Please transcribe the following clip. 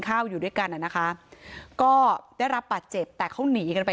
ข้าวอยู่ด้วยกันนะคะก็ได้รับปัจจ์เจ็บแต่เขาหนีกันไป